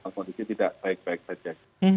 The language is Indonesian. kondisi tidak baik baik saja